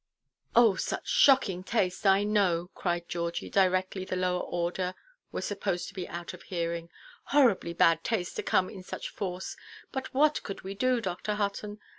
"Oh, such shocking taste, I know," cried Georgie, directly the lower order were supposed to be out of hearing, "horribly bad taste to come in such force; but what could we do, Dr. Hutton?